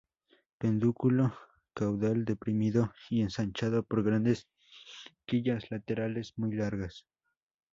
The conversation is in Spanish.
Pedúnculo caudal deprimido y ensanchado por grandes quillas laterales muy largas.